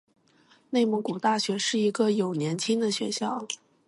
内蒙古大学是一个有年轻的学校。